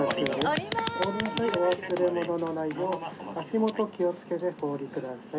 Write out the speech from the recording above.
「お降りの際お忘れ物のないよう足元気をつけてお降りください」